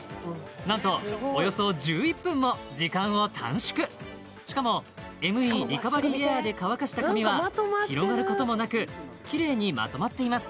なんとおよそ１１分も時間を短縮しかもＭＥリカバリーエアーで乾かした髪は広がることもなくきれいにまとまっています